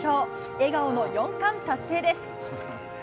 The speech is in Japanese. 笑顔の４冠達成です。